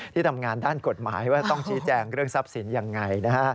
ที่ทำงานด้านกฎหมายว่าต้องชี้แจงเรื่องทรัพย์สินยังไงนะฮะ